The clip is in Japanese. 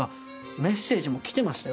メッセージも来てましたよ